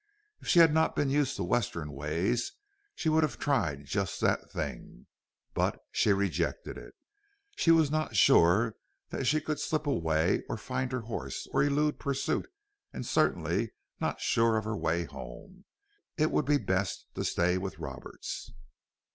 If she had not been used to Western ways she would have tried just that thing. But she rejected it. She was not sure that she could slip away, or find her horse, or elude pursuit, and certainly not sure of her way home. It would be best to stay with Roberts.